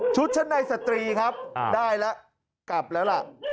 ชุดชะในสตรีครับได้ละกลับแล้วละ